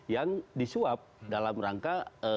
yang disuap dalam rangka